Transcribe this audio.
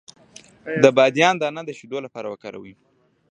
د بادیان دانه د شیدو لپاره وکاروئ